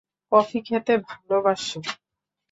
Coffee খেতে ভালবাসে।